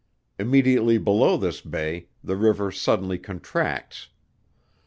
Immediately below this bay, the river suddenly contracts.